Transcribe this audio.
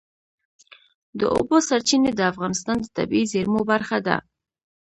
د اوبو سرچینې د افغانستان د طبیعي زیرمو برخه ده.